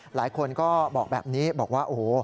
หลายคนก็บอกแบบนี้บอกว่าโอ้โห